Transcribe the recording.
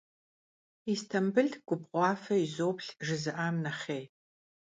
«Yistambıl gubğuafe yizoplh» jjızı'am nexhêy.